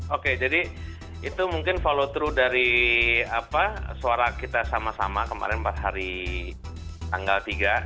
oke jadi itu mungkin follow through dari suara kita sama sama kemarin empat hari tanggal tiga